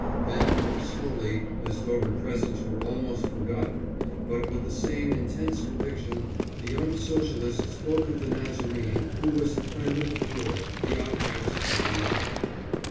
Then more slowly, as though her presence were almost forgotten, but with the same intense conviction, the young Socialist spoke of the Nazarene who was the friend of the poor, the outcast, and the leper.